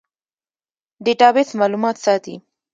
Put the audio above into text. ډیټابیس معلومات ساتي